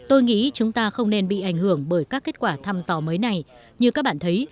tôi nghĩ chúng ta không nên bị ảnh hưởng bởi các kết quả thăm dò mới này như các bạn thấy